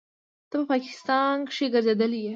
ته په پاکستان کښې ګرځېدلى يې.